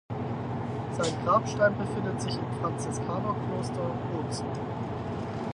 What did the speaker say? Sein Grabstein befindet sich im Franziskanerkloster Bozen.